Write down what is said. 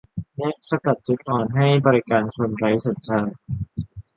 แนะสกัดจุดอ่อนให้บริการคนไร้สัญชาติ